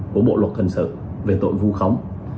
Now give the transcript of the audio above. của bộ luật thần sự về tội vu khống